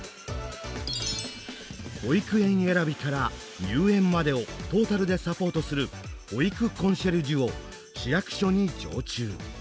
保育園選びから入園までをトータルでサポートする保育コンシェルジュを市役所に常駐。